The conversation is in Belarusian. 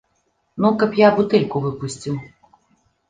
Ну, каб я бутэльку выпусціў!